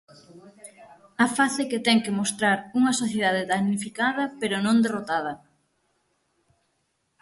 A face que ten que mostrar unha sociedade damnificada pero non derrotada.